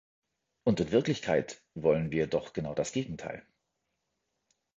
Und in Wirklichkeit wollen wir doch genau das Gegenteil.